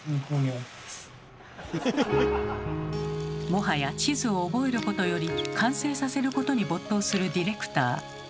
もはや地図を覚えることより完成させることに没頭するディレクター。